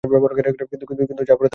কিন্তু যা পড়ে তা বুঝে না।